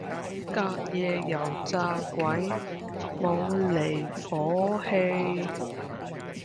隔夜油炸鬼冇離火氣